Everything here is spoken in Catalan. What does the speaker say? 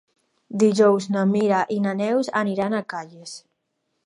Dijous na Mira i na Neus aniran a Calles.